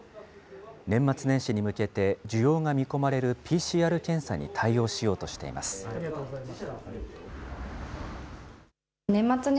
年末年始に向けて、需要が見込まれるＰＣＲ検査に対応しようとしています。